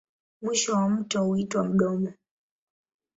Mwisho wa mto huitwa mdomo.